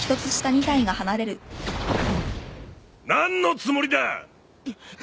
何のつもりだ！？